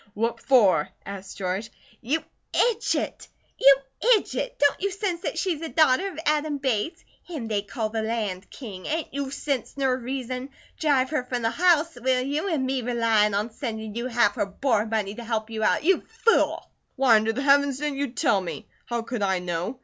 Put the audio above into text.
What for?" asked George. "You idjit! You idjit! Don't you sense that she's a daughter of Adam Bates? Him they call the Land King. Ain't you sense ner reason? Drive her from the house, will you? An' me relyin' on sendin' you half her board money to help you out? You fool!" "Why under the Heavens didn't you tell me? How could I know?